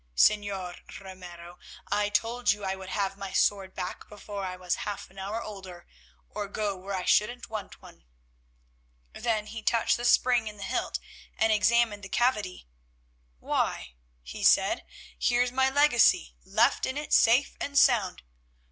Señor Ramiro, I told you I would have my sword back before I was half an hour older, or go where I shouldn't want one." Then he touched the spring in the hilt and examined the cavity. "Why," he said, "here's my legacy left in it safe and sound.